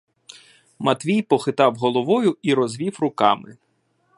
Матвій похитав головою і розвів руками.